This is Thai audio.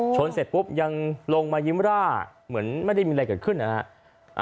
เสร็จปุ๊บยังลงมายิ้มร่าเหมือนไม่ได้มีอะไรเกิดขึ้นนะฮะ